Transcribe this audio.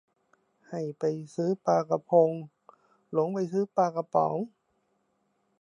ให้ไปซื้อปลากะพง หลงไปซื้อปลากระป๋อง